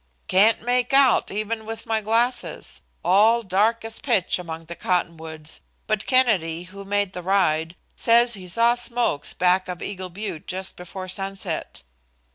"Can't make out even with my glasses. All dark as pitch among the cottonwoods, but Kennedy, who made the ride, says he saw smokes back of Eagle Butte just before sunset."